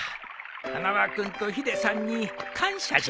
花輪君とヒデさんに感謝じゃ。